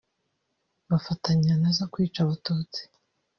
bafatanya nazo kwica abatutsi